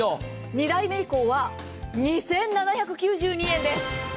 ２台目以降は２７９２円です。